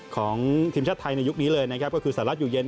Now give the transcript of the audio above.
ของทีมชาติไทยในยุคนี้เลยนะครับก็คือสหรัฐอยู่เย็น